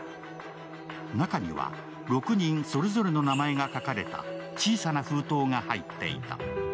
中には６人それぞれの名前が書かれた小さな封筒が入っていた。